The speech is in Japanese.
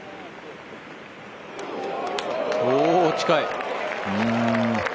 おお近い。